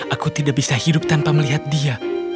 aku tidak bisa hidup tanpa melihat dia